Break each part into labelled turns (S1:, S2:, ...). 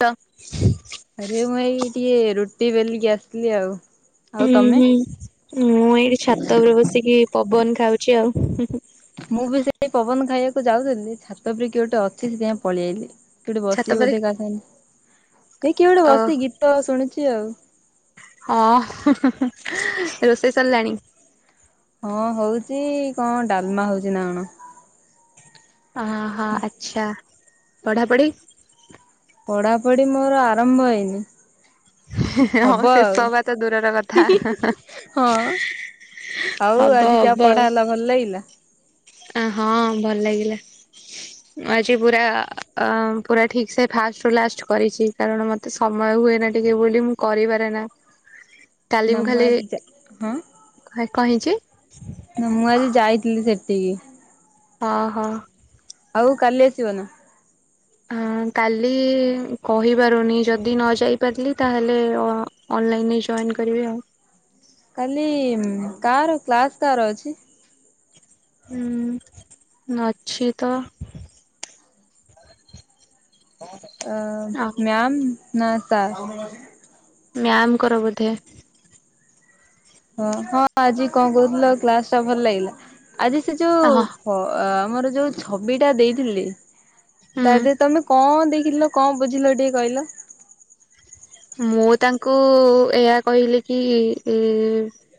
S1: ତ
S2: ଆରେ ମୁଁ ଏଇ ଟିକେ ରୁ ରୁଟି ବେଲିକି ଆସିଲି ଆଉ ଆଉ
S1: ହୁଁ
S2: ତମେ?
S1: ହୁଁ ମୁଁ ଏଇଠି ଛାତ ଉପରେ ବସିକି ପବନ ଖାଉଛି ଆଉ ହୁଁ ହୁଁ।
S2: ମୁଁ ବି ସେଇ ପବନ ଖାଇବାକୁ ଯାଉଥିଲି ଛାତ ଉପରେ କିଏ ଗୋଟେ ଅଛି ସେଥିପାଇଁ ପଳେଇଆଇଲି। କିଏ ଗୋଟେ
S1: ଛାତ
S2: ବସିକି
S1: ଉପରେ
S2: ବୋଧେ କା ସା କିଏ ଗୋଟେ ବସି ଗୀତ ଶୁଣୁଛି। [unintelligible] ଆଉ-
S1: ଅଁ ରୋଷେଇ ସରିଲାଣି।
S2: ହଁ ହଉଚି କଣ ଡାଲମା ହଉଛି ନା କଣ-
S1: ହଁ ହଁ ଆଚ୍ଛା। ପଢ଼ାପଢ଼ି-
S2: ପଢ଼ାପଢ଼ି ମୋର ଆରମ୍ଭ ହେଇନି।
S1: ହଁ
S2: ହବ
S1: ଶେଷ
S2: ଆଉ
S1: ହବା ତ ଦୂରର କଥା।
S2: ହୁଁ ହୁଁ ହଁ ଆଉ
S1: ହବ
S2: ଆଜି ଯା
S1: ହବ ଆଉ।
S2: ପଢ଼ା ହେଲା ଭଲ ଲାଗିଲା।
S1: ହଁ ଭଲ ଲାଗିଲା ମୁ ଆଜି ପୁରା ପୁରା ଠିକ୍ ସେ ଫାଷ୍ଟ୍ ରୁ ଲାଷ୍ଟ୍ କରିଛି କାରଣ ମତେ ସମୟ ହୁଏନା ଟିକେ ବୋଲି ମୁଁ କରିପାରେ ନା।
S2: ନା
S1: ତାଲିମ୍
S2: ମୁଁ
S1: ଖାଲି
S2: ଆଜି ଯା ହଁ
S1: କଣ ହେଇଚି। [inaudible]
S2: ନା ମୁଁ ଆଜି ଯାଇଥିଲି ସେଠିକି।
S1: ହଁ ହଁ।
S2: ଆଉ କାଲି ଆସିବନ
S1: ହ କାଲି କହିପାରୁନି ଯଦି ନ ଯାଇପାରିଲି ତାହଲେ ଆଲଲାଇନ ଜୈନ କରିବି ଆଉ।
S2: କାଲି କାର କ୍ଲାସ କାର ଅଛି।
S1: ହୁଁ ଅଛି ତ। [inaudible]
S2: ଅ
S1: ଆଉ
S2: ମ୍ୟାମ। ନା ତ
S1: ମ୍ୟାମଙ୍କର ବୋଧେ।
S2: ହ ହଁ ଆଜି କଣ କହୁଥିଲ କ୍ଲାସ ଟା ଭଲ ଲାଗିଲା। ଆଜି ସେ
S1: ହଁ
S2: ଯୋଉ ଆମର ଯୋଉ ଛବି ଟା ଦେଇଥିଲି। ତା
S1: ହୁଁ
S2: ଦେହରେ ତମେ କଣ ଦେିଲ କଣ ବୁଝିଲ ଟିକେ କହିଲ।
S1: ମୁଁ ତାଙ୍କୁ ଏହା କହିଲି କି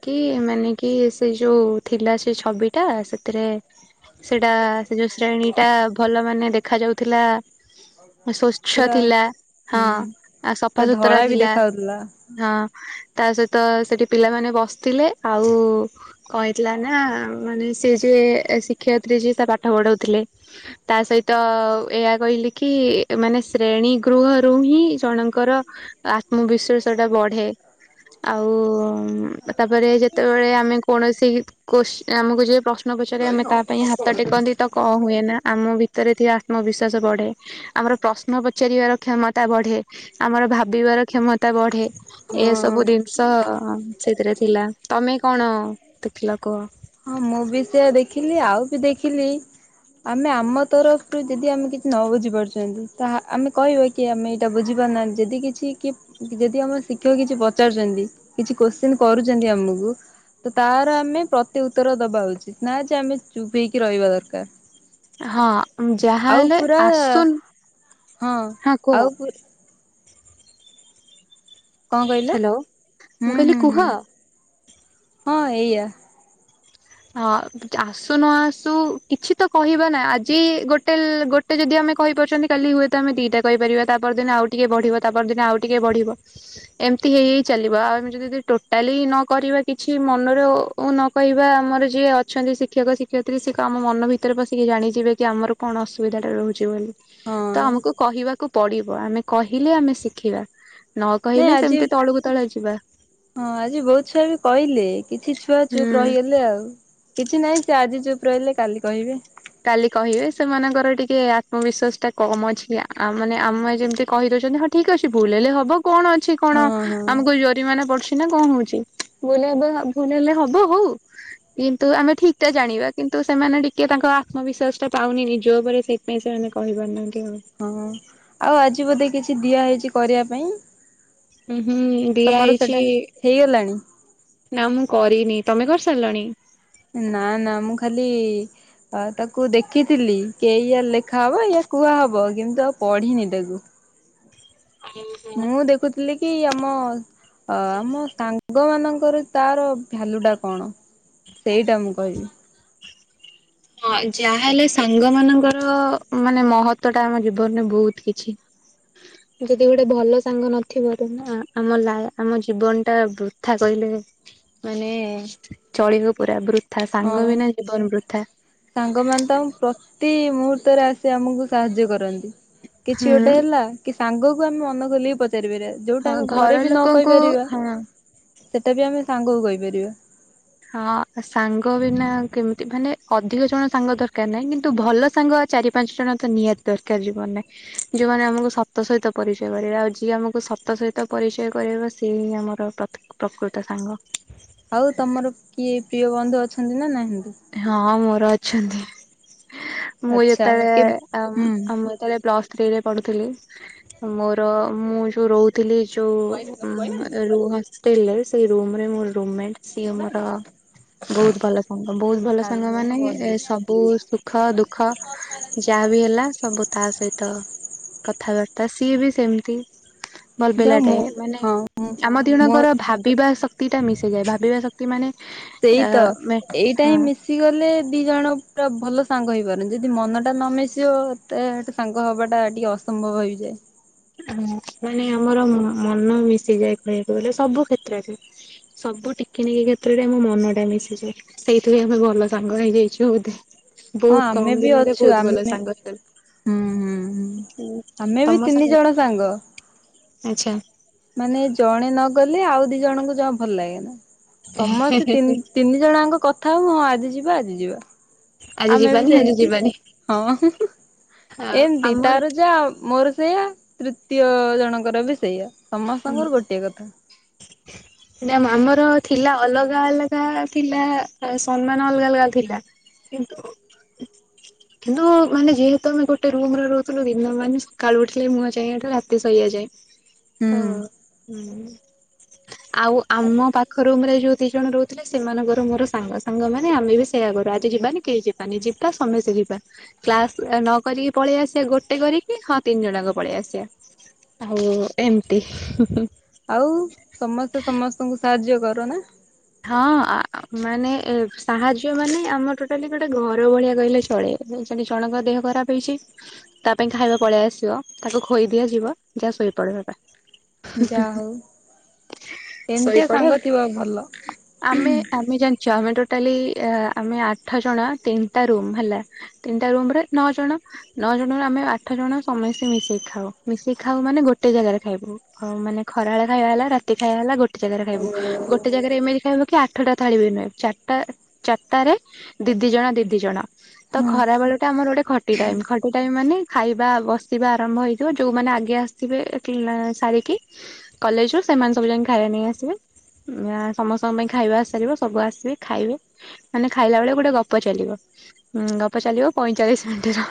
S1: କି ମାନେ କି ସେ ଯୋଉ ଥିଲା ସେ ଛବିଟା ସେଥିରେ ସେଟା ଯୋଉ ଶ୍ରେଣୀ ଟା ଭଲ ମାନେ ଦେଖ ଦେଖ ଯାଉଥିଲା। ସ୍ଵଚ୍ଛ
S2: ପୁରା
S1: ଥିଲା ହଁ
S2: ହୁଁ
S1: ଆ ସଫା
S2: ପୁରା
S1: ସୁତ ପତ୍ର
S2: ଧଳା ବି
S1: ଥିଲା
S2: ଦେଖା ଯାଉଥିଲା।
S1: ହଁ। ତା ସହିତ ସେଠି ପିଲାମାନେ ବସିଥିଲେ ଆଉ କହିଥିଲା ନା ମାନେ ସି ଯିଏ ଶିକ୍ଷୟତ୍ରୀ ଯିଏ ତା ପାଠ ପଢଉଥିଲେ ତା ସହିତ ଏହା କହିଲେ କି ମାନେ ଶ୍ରେଣୀ ଗୃହରୁ ହିଁ ଜଣଙ୍କର ଆତ୍ମବିଶ୍ଵାସ ଟା ବଢେ ଆଉ ତାପରେ ଯେତେବେଳେ ଆମେ କୌଣସି କ ସେ ଆମକୁ ଯ ପ୍ରଶ୍ନ ପଚାରେ ଆମେ ତା ପାଇଁ ହାତ ଟେକନ୍ତି ତ କଣ ହୁଏ ନା। ଆମ ଭିତରେ ଥିବା ଆତ୍ମବିଶ୍ଵାସ ବଢେ ଆମର ପ୍ରଶ୍ନ ପଚାରିବାର କ୍ଷମତା ବଢେ ଆମର ଭ ଭିବାର କ୍ଷମତା ବଢେ
S2: ହଁ
S1: ଏସବୁ ଜିନିଷ ସେଥିରେ ଥିଲା ତମେ କଣ ଦେଖିଲ କୁହ।
S2: ହଁ ମୁଁ ବି ସେଆ ଦେଖିଲି ଆଉ ବି ଦେଖିଲି ଆମେ ଆମ ତରଫରୁ ଯଦି ଆମେ କିଛି ନ ବୁଝି ପାରୁଛନ୍ତି ତା ଆମେ କହିବା କି ଆମେ ଏଇଟା ବୁଝି ପାରୁନାହାନ୍ତି ଯଦି କିଛି କି ଯଦି ଆମ ଶିକ୍ଷକ କିଛି ପଚାରୁଛନ୍ତି କିଛି କୋଶ୍ଚିନ୍ କରୁଛନ୍ତି ଆମକୁ ତ ତାର ଆମେ ତେ ଉତ୍ତର ଦବା ଉଚିତ ନା ଯେ ଆମେ ଚୁପେଇଇକି ରହିବା ଦରକାର।
S1: ହଁ।
S2: ଆଉ
S1: ଯାହାହଲେ
S2: ପୁରା
S1: ଆସୁନ ହଁ କୁହ।
S2: ଆଉ ପୁ କଣ କହିଲ
S1: ହ୍ୟାଲୋ
S2: ହୁଁ
S1: ମୁ
S2: ହୁଁ
S1: କହିଲି
S2: ହୁଁ
S1: କୁହ।
S2: ହଁ ଏଇଆ।
S1: ହଁ ଆସୁ ନ ଆସୁ କିଛି ତ କହିବା ନାହି ଆଜି ଗୋଟେ ଗୋଟେ ଯଦି ଆମେ କହିପାରୁଛନ୍ତି କାଲି ହୁଏତ ଆମେ ଦିଟା କହିପାରିବା ତାପଦିନ ଆଉ ଟିକେ ବଢିବ ତାପଦିନ ଆଉ ଟିକେ ବଢିବ ଏମିତି ହେଇ ହୋଇ ଚାଲିବ ଆଉ ଆମେ ଯଦି ଟୋଟାଲି ନକ କିଛି ମନରେ ନ କହିବା। ଆମର ଯିଏ ଅଛନ୍ତି ଶିକ୍ଷକ ଶିକ୍ଷୟତ୍ରୀ ସେଏ ଆମ ମନ ଭିତରେ ବଶିକି ଜାଣିଯିବେ କି ଆମର କଣ ଅସୁବିଧା ଟା ରହୁଛି ବୋଲି।
S2: ହଁ
S1: ତ ଆମକୁ କହିବାକୁ ପଡିବ। ଆମେ କହିଲେ ଆମେ ଶିଖିବା। ନ
S2: ନାଇଁ
S1: କହିଲେ
S2: ଆଜି
S1: ସେମିତି ତଳକୁ ତଳେ ଯିବା
S2: ହଁ ଆଜି ବହୁତ ଛୁଆ ବି କହିଲେ କିଛି ଛୁଆ ଚୁପ
S1: ହୁଁ।
S2: ରହିଗଲେ ଆଉ। କିଛି ନାହିଁ ସେ ଆଜି ଚୁପ୍ ରହିଲେ କାଲି କହିବେ।
S1: କାଲି କହିବେ ସେମାନଙ୍କର ଟିକେ ଆତ୍ମବିଶ୍ୱାସ ଟା କମ୍ ଅଛି। ଆ ମାନେ ଆମେ ଯେମିତି କହିଦଉଛନ୍ତି ହଁ ଠିକ୍ ଅଛି ଭୁଲ ହେଲେ ହବ। କଣ ଅଛି କଣ
S2: ହଁ ହଁ।
S1: ଆମକୁ ଜୋରି ମନା ପଡୁଚି। କଣ ହଉଛି ଭୁଲ୍ ହେବେ ଭୁଲ୍ ହେଲେ ହବ ହଉ କିନ୍ତୁ ଆମେ ଠିକ୍ ଟା ଜାଣିବା। କିନ୍ତୁ ସେମାନେ ଟିକେ ତାଙ୍କ ମୋ ବିଶ୍ଵାସ ଟା ପାଉନି ନିଜ ଉପରେ ସେଥିପାଇଁ ସେମାନେ କହି ପାରୁନାହାନ୍ତି।
S2: ହଁ ଆଉ ଆଜି ବୋଧେ କିଛି କିଛି ଦିଆ ହେଇଛି କରିବା ପାଇଁ।
S1: ହୁଁ। ହୁଁ ଦିଆ
S2: ତମର
S1: ହେଇଛି।
S2: ସେଟା ହେଇଗଲାଣି?
S1: ନା ମୁଁ କରିନି ତମେ କରିସାରିଲଣି।
S2: ନା ନା ମୁଁ ଖାଲି ତାକୁ ଦେଖିଥିଲି କି ଏଇଆ ଲେଖା ହବ ୟା କୁହାହବ। କିନ୍ତୁ ଆଉ ପଢିନି ତାକୁ। ମୁଁ ଦେଖୁଥିଲି। କି ଆମ ଆମ ସାଙ୍ଗ ମାନଙ୍କର ତାର ଭ୍ୟାଲୁ ଟା କଣ ସେଇଟା ମୁଁ କହିବି।
S1: ହଁ ଯାହାହେଲେ ସାଙ୍ଗ ମାନଙ୍କର ମାନେ ମହତ୍ୱଟା ଆମ ଜୀବନରେ ବହୁତ କିଛି ଯଦି ଗୋଟେ ଭଲ ସାଙ୍ଗ ନଥିବ ତ ନା ଆମ ଲାଇ ଆମ ଜୀବନ ଟା ବୃଥା କହିଲେ ମାନେ ଚଳିବ ପୁରା। ବୃ ସାଙ୍ଗ ବିନା ଜୀବନ ବୃଥା।
S2: ସାଙ୍ଗ ମାନ ତମ ପ୍ରତି ମୁହୂର୍ତ୍ତରେ ଆସି ଆମକୁ ସାହାଯ୍ୟ କରନ୍ତି। କିଛି
S1: ହୁଁ
S2: ଗୋଟେ ହେଲା କି ସାଙ୍ଗକୁ ଆମେ ମନ ଖୋଲିକି ପ ପଚାରି ପରିବା। ଯୋଉଟା
S1: ହଁ
S2: ଆମେ ଘରେ
S1: ଘର
S2: ବି ନ
S1: ଲୋକଙ୍କୁ
S2: କହିପାରିବା
S1: ହଁ
S2: ସେଟା ବି ଆମେ ସାଙ୍ଗକୁ କହିପାରିବା।
S1: ହଁ ସାଙ୍ଗ ବିନା କେମିତି ମାନେ ଅଧିକ ଜଣ ସାଙ୍ଗ ଦରକାର ନାହିଁ। କିନ୍ତୁ ଭଲ ସାଙ୍ଗ ଚାରି ପାଞ୍ଚ ଜଣ ତ ନିହାତି ଦରକାର। ଜୀବନରେ ଯୋଉମାନେ ଆମକୁ ସତ ସହିତ ପରିଚୟ କରିବେ। ଆଉ ଯିଏ ଆମକୁ ସତ ସହିତ ପରିଚୟ କରିବ ସିଏ ହିଁ ଆମର ପ୍ରକୃତ ସାଙ୍ଗ।
S2: ଆଉ ତମର କିଏ ପ୍ରିୟ ବନ୍ଧୁ ଅଛନ୍ତି ନା ନାହିଁ।
S1: ହଁ ମୋର ଅ ଅଛନ୍ତି। ମୁଁ
S2: ଆଚ୍ଛା କେ
S1: ଯେତେବେଳେ
S2: ହୁଁ।
S1: ମୁଁ ଯେତେବେଳେ ପ୍ଲସ ସ୍ତ୍ରୀ ରେ ପଢୁଥିଲି। ମୋ ମୁଁ ଯୋଉ ରହୁଥିଲି ଯୋଉ ହଷ୍ଟେଲ୍ ରେ। ସେଇ ରୁମ୍ ରେ ମୋର ରୁମମେଣ୍ଟ। ସିଏ ମର ବହୁତ ଭଲ ସାଙ୍ଗ। ବହୁତ ଭଲ
S2: କାଲି
S1: ସାଙ୍ଗ ମାନେ
S2: ନା
S1: ଏ
S2: ପରଦିନ।
S1: ସବୁ ସୁଖ ଦୁଃଖ ଯାହାବି ହେଲା ସବୁ ତା ସହିତ କଥାବାର୍ତ୍ତା। ତ ସିଏ ବି ସେମିତି। ଭଲ
S2: ଯାଉ
S1: ପିଲାଟେ
S2: ମୁଁ
S1: ମାନେ
S2: ହଁ
S1: ଆମ
S2: ମୋ
S1: ଦିଜଣଙ୍କର ଭାବିବା ଶକ୍ତି ଟା ମିଶି ଯାଏ। ଭାବିବା ଶକ୍ତି ମାନେ ଆ
S2: ଟା ହଁ ମିଶିଗଲେ ଦିଜଣ ଭଲ ସାଙ୍ଗ ହେଇପାରୁନି। ଯଦି ମନ ଟା ନ ମିିଶିବ ତା ସାଙ୍ଗ ହବାଟା ଟିକେ ଅସମ୍ଭବ ହେଇଯାଏ।
S1: ଓ ମାନେ ଆମର ମନ ମିଶିଯାଏ। କହିବାକୁ ଗଲେ ସବୁ କ୍ଷେତ୍ରରେ ସବୁ ଟିକି ନିକି କ୍ଷେତ୍ରରେ ଆମ ମନ ଟା ମିଶିଯାଏ। ସେଇଥିପାଇଁ ଆମେ ଭଲ ସାଙ୍ଗ ହେଇଯାଇଛୁ ବୋଧେ।
S2: ହଁ
S1: ବହୁତ
S2: ଆମେ
S1: କମ
S2: ବି
S1: ଦିନରେ
S2: ଅଛୁ
S1: ବହୁତ ଭଲ
S2: ଆମେ
S1: ସାଙ୍ଗ ହେଇଗଲୁ। ହୁଁ
S2: ଆମେ ବି
S1: ତମ
S2: ତିନି ଜଣ ସାଙ୍ଗ।
S1: ଆଚ୍ଛା
S2: ମାନେ ଜଣେ ନ ଗଲେ ଆଉ ଦି ଜଣଙ୍କୁ ଯଣ ଭଲ ଲାଗେ ନା। ସମସ୍ତେ ତିନି ଜଣଙ୍କ କଥା ହବ ହଁ ଆ ଆଜି ଯିବା ଆଜି ଯିବା।
S1: ଆଜି
S2: ଆମେ ବି
S1: ଯିବାନି ଆଜି
S2: ସେମିତି
S1: ଯିବାନି
S2: ହଁ
S1: ହଁ
S2: ଏମତି
S1: ଆମର
S2: ତାର ଯାହା ମୋର ସେଇଆ। ଦତୀୟ ଜଣଙ୍କର ବି ସେଇଆ। ସମସ୍ତଙ୍କର ଗୋଟିଏ କଥା।
S1: ଆମର ଥିଲା ଅଲଗା ଅଲଗା ଥିଲା ସମ୍ମାନ ଅଲଗା ଅଲଗା ଥିଲା କିନ୍ତୁ କିନ୍ତୁ ମାନେ ଯେହେତୁ ଆମେ ଗୋଟେ ରୁମରେ ରହୁଥିଲୁ ଦିନ ମାନେ ସକାଳୁ ଉଠିଲେ ମୁହଁ ଯାଏଠ ରାତି ଶୋଇବା ଯାଏ।
S2: ହୁଁ
S1: ହଁ ହୁଁ। ଆଉ ଆମ ପାଖରୁମ ରେ ଯୋଉ ଦି ଜଣ ରହୁଥିଲେ ସେମାନଙ୍କର ମୋର ସାଙ୍ଗ ସାଙ୍ଗ ମାନେ ଆମେ ବି ସେଇୟା କରୁ ଆଜି ଯିବାନି କେହି ଯିବାନି ଯିବା ସମୟ ସେ ଯିବା କ୍ଲାସ ନ କରିକି ପଳେଇ ଆସିବା ଗୋଟେ କରିକି ହଁ ତିନି ଜଣଙ୍କ ପଳେଇ ଆସିବା ଆଉ ଏମତି।
S2: ଆଉ ସମସ୍ତେ ସମସ୍ତଙ୍କୁ ସାହାଯ୍ୟ କର ନା।
S1: ହଁ ମାନେ ସାହାଯ୍ୟ ମାନେ ଆମର ଟୋଟାଲି ଗୋଟେ ଘର ଭଳିଆ କହିଲେ ଚଳେ ସେଠି ଜଣଙ୍କ ଦେହ ଖରାପ ହେଇଛି ତା ପାଇଁ ଖାଇବା ପଳେଇ ଆସିବ ତାକୁ ଖୋଇ ଦିଆଯିବ ଯାହା ଶୋଇପଡବା।
S2: ଯାହା ହଉ ଏମିତିଆ
S1: ଶୋଇପଡ
S2: ସାଙ୍ଗ ଥିବ ଭଲ।
S1: ଆମେ ଆମେ ଜାଣିଛୁ ଆମେ ଟା ଆମେ ଆଠ ଜଣ ତିନିଟା ରୁମ୍ ହେଲା ତିନିଟା ରୁମରେ ନଅ ଜଣ ନଅ ଜଣ ଆମେ ଆଠ ଜଣ ସମସ୍ତେ ମିଶେଇି ଖାଉ ମିଶେଇି ଖାଉ ମାନେ ଗୋଟେ ଜାଗାରେ ଖାଇବୁ ଆଉ ମାନେ ଖରାବେ ଖାଇବା ହେଲା ରାତି ଖାଇବା ହେଲା ଗୋ ଖାଇବୁ। ଜାରେ ଏମିତି ଖାଇବ କି ଆଠଟା ଥାଳି ବି ନୁହେଁ ଚାରିଟା ଚାରିଟାରେ ଦିଦି ଜଣ ଦିଦି ଜଣ ତ
S2: ହଁ।
S1: ଖରା ବେଳ ଟା ଆମର ଗୋଟେ ଖଟି ଟାଇ ଖଟି ଟାଇ ମାନେ ଖାଇବା ବସିବା ଆରମ୍ଭ ହେଇଥିବ ଯୋଉମାନେ ଆଗେ ଆସିବେ ସାରିକି କଲେଜ ରୁ ସେମାନେ ସବୁ ଯାଇ ଖାଇବା ନେଇ ଆସିବେ। ସମସ୍ତଙ୍କ ପାଇଁ ଖାଇବା ସାରିବ ସବୁ ଆସିବେ ଖାଇବେ ମାନେ ଖାଇଲା ବେଳେ ଗୋଟେ ଗପ ଚାଲିବ ଗପ ଚାଲିବ ପଇଁଚାଳିଶ ମିନିଟ ର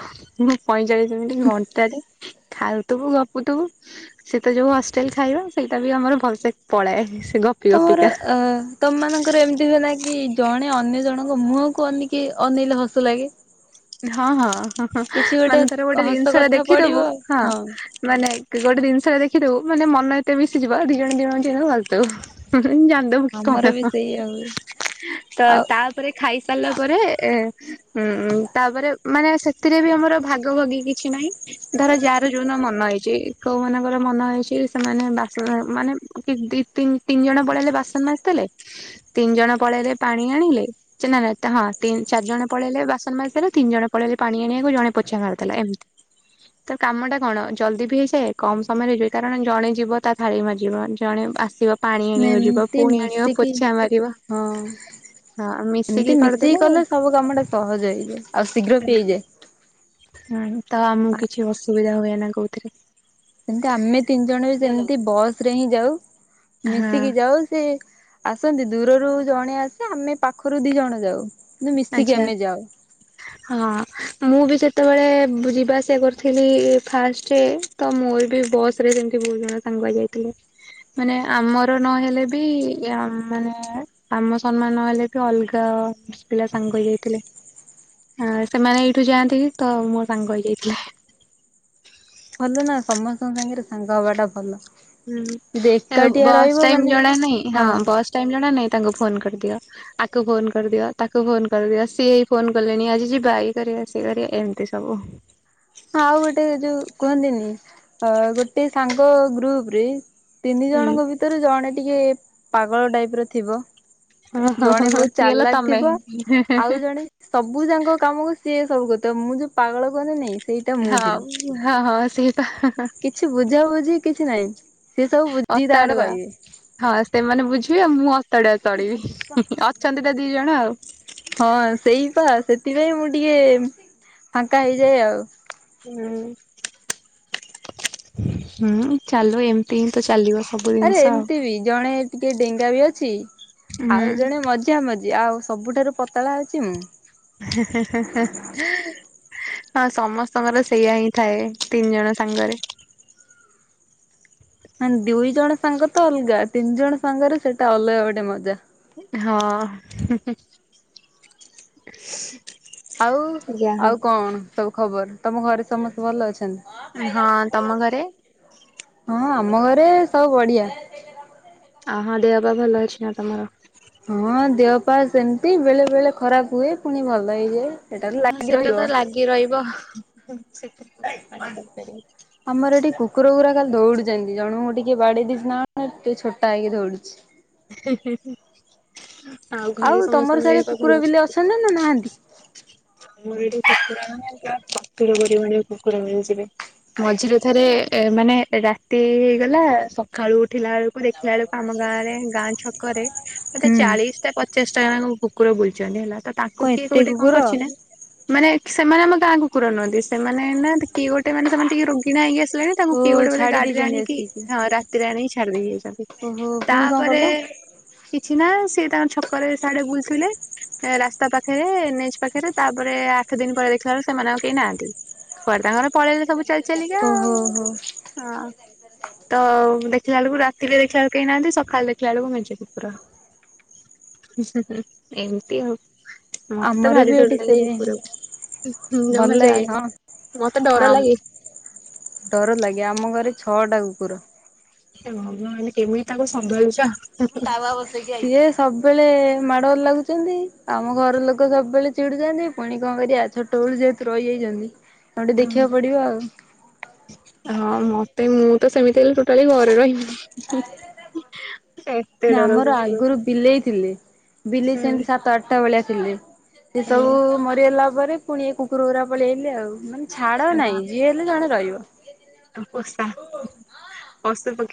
S1: ପଇଁଚାଳିଶ ମିନିଟ ଘଣ୍ଟାରେ ଖାଉଥିବୁ ଗପୁଥିବୁ ସେ ତ ଯୋଉ ହଷ୍ଟେଲ ଖାଇବା ସେଇଟା ବି ଆମର ଭଲସେ ପଳାଏ ସେ ଗ
S2: ତମର ଅ ତମମାନାନଙ୍କର ଏମିତି ହୁଏନା କି ଜଣେ ଅନ୍ୟ ଜଣଙ୍କ ମୁହଁକୁ ଅନକି ଅନେଇଲେ ହସ ଲାଗେ।
S1: ହଁ ହଁ। ହ ହଁ
S2: କିଛି
S1: ମାନେ ତର ଗୋଟେ
S2: ହସ
S1: ଜିନିଷ ଟା
S2: କଥା
S1: ଦେଖିଦବୁ
S2: ପଡିବ
S1: ହଁ ମାନେ ଗୋଟେ ଜିନିଷ ଟା ଦେଖିଦବୁ। ମାନେ ମନ ଏତେ ମିଶିଯିବ ଦି ଜଣ ଦିଇ ଜଣ ମିଶିକି ହସି ଦବୁ। ଜାନ୍ଦବ କି
S2: ଆମର
S1: କଣ
S2: ବି ସେଇଆ ହୁଏ।
S1: ତ
S2: ଆଉ
S1: ତାପରେ ଖାଇସାରିଲା ପରେ ଏ ହୁଁ। ମାନେ ସେଥିରେ ବି ଆମର ଭାଗ ଭଗି କିଛି ନାହିଁ ଧର ଯାହାର ଯୋଉ ମନ ହେଇଛି କୋଉ ମାନଙ୍କର ମନ ହେଇଛି ସେମାନେ ବାସନ ମାନେ କି ଦି ତିନି ଜଣ ପଳେଇଲେ ବାସନ ମାସି ଦେଲେ ତିନି ଜଣ ପଳେଇଲେ ପାଣି ଆଣିଲେ ସେ ନା ନା ହଁ ଚାରି ଜଣ ପଳେଇଲେ ବାସନ ମାସି ଦେଲେ। ତିନି ଜଣ ପଳେଇଲେ ପାଣି ଆଣିବାକୁ ଜଣେ ପୋଛା ବାହାରିଥିଲା ଏମିତି ତ କାମ ଟା କଣ ଜଲ୍ଦି ବି ହେଇଯାଏ କମ ସମୟରେ ହେଇଯିବ କାରଣ ଜଣେ ଯିବ ତା ଥାଳି ମାରଯିବ ଜଣେ ଆସିବ। ପାଣି ଆଣିବାକୁ ଯିବ
S2: ଏମତି
S1: ପୁଣି ଆଣିବ
S2: ମିଶିକି
S1: ପୋଛା ମାରିବ
S2: ହଁ
S1: ହଁ
S2: ଏମତି ମିଶିକି
S1: କରିଦେଲେ
S2: କଲେ ସବୁ କାମ ଟା ସହଜ ହେଇଯାଏ ଆଉ ଶୀଘ୍ର
S1: ହୁଁ।
S2: ପିଆଇଯାଏ।
S1: ହୁଁ ତ ଆମକୁ କିଛି ଅସୁବିଧା ହୁଏନା କଉଥିରେ
S2: ସେମତି ଆମେ ତିନି ଜଣ ବି ସେମତି ବସ୍ ରେ ହିଁ ଯାଉ
S1: ହଁ
S2: ମିଶିକି ଯାଉ ସେ ଆସନ୍ତି ଦୂରରୁ ଜଣେ ଆସେ ଆମେ ପାଖରୁ ଦି ଜଣ ଯାଉ ମିଶିକି
S1: ଆଛା
S2: ଆମେ ଯାଉ।
S1: ହଁ ମୁଁ ବି ସେ ଯେତେବେଳେ ଯିବା ଆସିବା କରିଥିଲି ଫାଷ୍ଟରେ ତ ମୋର ବି ବସ୍ ରେ ସେମିତି ବହୁତ ଜଣ ସାଙ୍ଗକୁ ଯାଇଥିଲେ ମାନେ ଆମର ନହେଲେ ବି ମାନେ ଆମ ସମାନ ନହେଲେ ବି ଅଲଗା ପିଲା ସାଙ୍ଗ ହେଇଯାଇଥିଲେ ଆ ସେମାନେ ଏଇଠୁ ଯାଆନ୍ତି ତ ମୋ ସାଙ୍ଗ ହେଇଯାଇଥିଲେ।
S2: ଭଲ ନା ସମସ୍ତଙ୍କ ସାଙ୍ଗରେ ସାଙ୍ଗ ହବାଟା ଭଲ ଯଦି
S1: ହୁଁ
S2: ଏକାଟିଆ
S1: ବସ୍
S2: ରହିବ
S1: ଟାଇମ
S2: ମାନେ
S1: ଜଣା ନାଇଁ ହଁ ବସ୍ ଟାଇମ ଜଣା ନାଇଁ ତାଙ୍କୁ ଫୋନ କରିଦିଅ ଆକୁ ଫୋନ କରିଦିଅ ତାକୁ ଫୋନ କରିଦିଅ ସିଏଇ ଫୋନ କଲେଣି ଆଜି ଯିବା ଏଇ କରିବା ସିଏ କରିବା ଏମିତି ସବୁ
S2: ହଁ ଆଉ ଗୋଟେ ଯୋଉ କୁହନ୍ତିନି ଅ ଗୋଟେ ସାଙ୍ଗ ଗ୍ରୁପ ରେ ତିନି
S1: ହୁଁ
S2: ଜଣଙ୍କ ଭିତରୁ ଜଣେ ଟିକେ ପାଗଳ ଟାଇପ ର ଥିବ
S1: ହଁ ହଁ ହଁ
S2: ଜଣେ
S1: ହଁ।
S2: ବହୁତ
S1: ସିଏ ହେଲା
S2: ଚାଲାକ
S1: ତମେ
S2: ଥିବ ଆଉ ଜଣେ ସବୁ ଯାଙ୍କ କାମକୁ ସିଏ ସବୁ କଥା ମୁଁ ଯୋଉ ପାଗଳ କହନ୍ତି ନେଇଁ
S1: ହଉ ହଁ ହଁ ସେଇ
S2: କିଛି ବୁଝା ବୁଝି କିଛି କିଛି ନାଇଁ
S1: ଅତାଡୁଆ ହଁ ସେମାନେ ବୁଝିବେ ଆଉ ମୁଁ ଅତାଡୁଆ ଚଳିବି ଅଛନ୍ତି ତା ଦି ଜଣ ଆଉ
S2: ହଁ ସେଇପା ସେଥିପାଇଁ ମୁଁ ଟିକେ ଫାଙ୍କା ହେଇଯାଏ ଆଉ
S1: ହଁ ହୁଁ ଚାଲୁ ଏମିତି ହିଁ ତ ଚାଲିବ। ସବୁ
S2: ଆରେ
S1: ଜିନିଷ ଆଉ।
S2: ଏମିତି ବି ଜଣେ ଟିକେ ଡେଙ୍ଗା ବି ଅଛି
S1: ହୁଁ
S2: ଆଉ ଜଣେ ମଝା ମଝି ଆଉ ସବୁଠାରୁ ପତଳା ଅଛି ମୁଁ।
S1: [unintelligible] ହଁ ସମସ୍ତଙ୍କର ସେଇଆା ହିଁ ଥାଏ ତିନି ଜଣ ସାଙ୍ଗରେ।
S2: ମାନେ ଦୁଇ ଜଣ ସାଙ୍ଗ ତ ଅଲଗା ତିନି ଜଣ ସାଙ୍ଗରେ ସେଟା ଅଲଗା ଗୋଟେ ମଜା।
S1: ହଁ।
S2: ଆଉ
S1: ଯା ହଉ।
S2: ଆଉ କଣ? ସବୁ ଖବର? ତମ ଘରେ ସମସ୍ତେ ଭଲ
S1: ହଁ
S2: ଅଛନ୍ତି
S1: ତମ ଘରେ?
S2: ହଁ ଆ ଆମ ଘରେ ସବୁ ବଢିଆ।
S1: ଆ ହଁ ଦେହପା ଭଲ ଅଛି ନା ତମର?
S2: ହଁ ଦେହ ପା ସେମିତି ବେଳେ ବେଳେ ଖରାପ ହୁଏ ପୁଣି ଭଲ ହେଇଯାଏ। ସେଟା ତ
S1: ହ
S2: ଲାଗି
S1: ସେଟା
S2: ରହିବ।
S1: ତ ଲାଗି ରହିବ। [inaudible] କଣ କରିପାରିବି।
S2: ଆମର ଏଠି କୁକୁର ଗୁରା ଖାଲି ଦଉଡୁଛନ୍ତି ଜଣଙ୍କୁଁ ଟିକେ ବାଡେଇ ଦେଇଛି ନା କଣ ଟିକେ ଛୋଟା ହେଇକି ଦଉଡୁଛି।
S1: [inaudible]
S2: ଆଉ ତମର
S1: ସମସ୍ତଙ୍କ
S2: ସାର
S1: ଦେହ ପା ଭଲ
S2: କୁକୁର ବିଲେ ଅଛନ୍ତି ନା ନାହାନ୍ତି।
S1: ଆମର ଏଠି କୁକୁର କା ମେଞ୍ଚା ଚତୁର କୁକୁର ମନେ ଯିବେ। ମଝିରେ ଥରେ ଏ ମାନେ ରାତି ହେଇଗଲା ସକାଳୁ ଉଠିଲା ବେଳକୁ ଦେଖିଲା ବେଳକୁ ଆମ ଗାଁରେ ଗାଁ ଛକରେ ମତେ
S2: ହୁଁ
S1: ଚାଳିଶି ଟା ପଚାଶ ଟ ଯାଙ୍କୁ କୁକୁର ବୁଲୁଚନ୍ତି ହେଲା। ତ ତାକୁ
S2: କଣ
S1: କିଏ
S2: ଏତେ
S1: କୋଉ ଗୋଟ କଣ
S2: କୁକୁର
S1: କର ଚିନା ମାନେ ସେମାନେ ଆମ ଗାଁ କୁକୁର ନୁହନ୍ତି ସେମାନେ ନା କିଏ ଗୋଟେ ମାନ ସେମାନେ ଟିକେ ରୋଗୀନା ହେଇକି ଆସି ତାଙ୍କୁ
S2: ଓ
S1: ପି ଗୋଟେ ବ
S2: ଛାଡି
S1: ଗାଡିରେ
S2: ଦେଇଛନ୍ତି
S1: ଆଣିକି
S2: ଆସିକି।
S1: ହଁ ରାତିରେ ଆଣିକି ଛାଡି ଦେଇ ଯାଉଛନ୍ତି
S2: ଓହୋ ପୁଣି କଣ କଲ
S1: ତାପରେ କିଛି ନା ସଏ ତାଙ୍କ ଛକରେ ସଆଡେ ବୁଲଥିଲେ ରାସ୍ତା ପାଖରେ ଏ ପାଖରେ ତାପରେ ଆଠ ଦିନ ପରେ ଦେଖିବାରୁ ସେମାନେ ଆଉ କେହି ନାହାନ୍ତି କୁଆଡେ ତାଙ୍କର ପଳେଇଲେ ସବୁ ଚାଲି ଚଲିକି ଆଉ
S2: ଓହୋ ହୋ।
S1: ହଁ। ତ ଦେଖିଲା ବେଳକୁ ରାତିରେ ଦେଖିଲା ବେଳକୁ କେହି ନାହାନ୍ତି ସକାଳେ ଦେଖିଲା ବେଳକୁ ମେଚେ କୁକୁର ଏମିତି ଆଉ। ମ
S2: ଆମର
S1: ଭାରି
S2: ବି
S1: ଡର
S2: ଏଠି
S1: ଲାଗେ
S2: ସେଇଆ ହିଁ
S1: କୁକୁରକୁ
S2: ଭଲ
S1: ଜମା
S2: ଲାଗେ
S1: ଯାଏନି
S2: ହଁ
S1: ମତେ
S2: ହଁ
S1: ଡର ଲାଗେ।
S2: ଏବେ ଛଅଟା କୁକୁର।
S1: ସେ ହ ମେ କେମିତି ତାକୁ ସମ୍ଭାଳୁଛ।
S2: ତାୱ ବସକି ସିଏ ସବୁ ସବୁବେଳେ ମାଡ ଘର ଲାଗୁଛନ୍ତି ଆମ ଘର ଲୋକ ସବୁବେଳେ ଚିଡୁଛନ୍ତି ପୁଣି କଣ କରିବା ଛୋଟ ବେଳୁ ଯେହେତୁ ରହିଯାଇଛନ୍ତି। ଆଉ ଟିକେ
S1: ଓ
S2: ଦେଖିବାକୁ ପଡିବ ଆଉ।
S1: [inaudible] ହଁ ମତେ ମୁଁ ତ ସେମିତି ହେ ଟୋଟାଲି ଘରେ ରହିବିନି। ଏତେ
S2: ନା
S1: ଡର
S2: ଆମର
S1: କୁକୁରକୁ
S2: ଆଗରୁ ବିଲେଇ ଥିଲେ ବିଲେଇ ସେମିତି
S1: ହୁଁ
S2: ସାତ ଆଠଟା ବେଳେଆ ଥିଲେ। ସେ ସବୁ ମରିଗଲା। ପରେ ପୁଣି କୁକୁରକୁା ପଳେଇଲେ ଆଉ। ଛାଡ ନାହିଁ ଯିଏ ହେଲେ ଜଣେ ରହିବ। [inaudible]
S1: ପସା ପସ ପକ୍ଷି